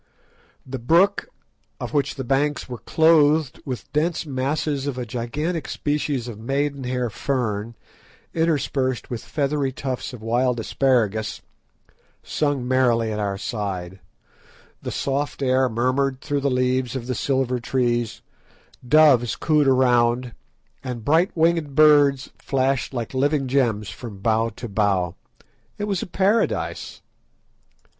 The brook, of which the banks were clothed with dense masses of a gigantic species of maidenhair fern interspersed with feathery tufts of wild asparagus, sung merrily at our side, the soft air murmured through the leaves of the silver trees, doves cooed around, and bright winged birds flashed like living gems from bough to bough. It was a Paradise.